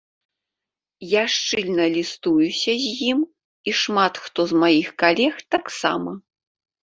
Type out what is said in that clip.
Я шчыльна лістуюся з ім, і шмат хто з маіх калег таксама.